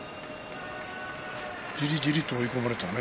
じりじりと追い込まれたね。